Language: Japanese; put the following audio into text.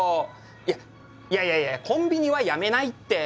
いやいやいやいやいやコンビニはやめないって。